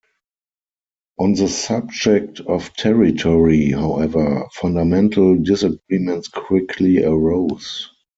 On the subject of territory, however, fundamental disagreements quickly arose.